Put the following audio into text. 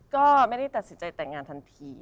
ก็ไม่ได้ตัดสินใจแต่งงานทันที